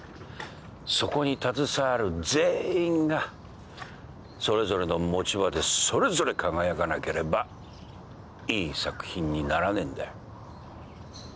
そこに携わる全員がそれぞれの持ち場でそれぞれ輝かなければいい作品にならねえんだよ。